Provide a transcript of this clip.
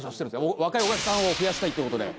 若いお客さんを増やしたいってことで。